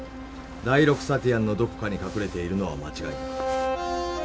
第６サティアンのどこかに隠れているのは間違いない。